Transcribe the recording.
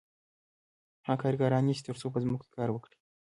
هغه کارګران نیسي تر څو په ځمکو کې کار وکړي